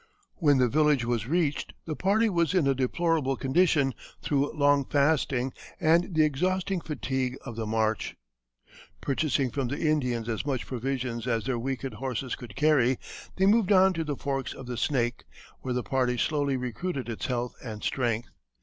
When the village was reached, the party was in a deplorable condition through long fasting and the exhausting fatigue of the march. Purchasing from the Indians as much provisions as their weakened horses could carry, they moved on to the forks of the Snake, where the party slowly recruited its health and strength.